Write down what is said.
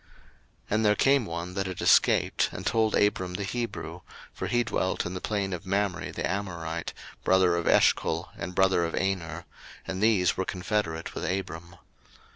01:014:013 And there came one that had escaped, and told Abram the Hebrew; for he dwelt in the plain of Mamre the Amorite, brother of Eshcol, and brother of Aner: and these were confederate with Abram.